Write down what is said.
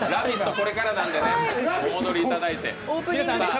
これからなんで、お戻りいただいて。